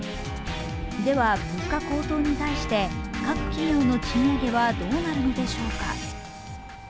では物価高騰に対して各企業の賃上げはどうなるのでしょうか？